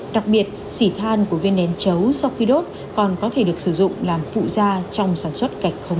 đặc biệt sỉ than của viên nén trấu sau khi đốt còn có thể được sử dụng làm phụ da trong sản xuất